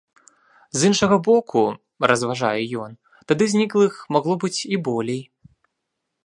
З іншага боку, разважае ён, тады зніклых магло б быць і болей.